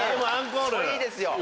もういいですよ。